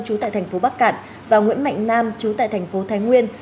trú tại thành phố bắc cạn và nguyễn mạnh nam chú tại thành phố thái nguyên